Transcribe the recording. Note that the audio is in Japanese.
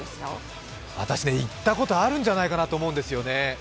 私、行ったことがあるんじゃないかなと思うんですよね。